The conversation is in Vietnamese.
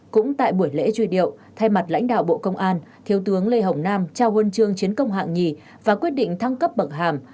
cũng tại buổi lễ truy điệu thay mặt lãnh đạo bộ công an thiếu tướng lê hồng nam trao huân chương chiến công hạng nhì và quyết định thăng cấp bậc hàm